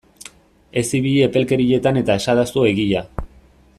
Ez ibili epelkerietan eta esadazu egia!